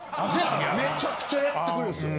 めちゃくちゃやってくれるんですよ。